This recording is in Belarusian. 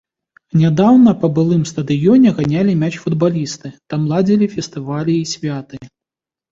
Нядаўна па былым стадыёне ганялі мяч футбалісты, там ладзілі фестывалі і святы.